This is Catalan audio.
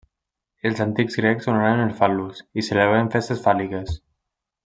Els antics grecs honoraven el fal·lus i celebraven festes fàl·liques.